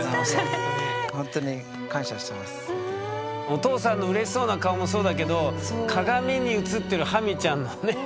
お父さんのうれしそうな顔もそうだけど鏡に映ってるハミちゃんのね。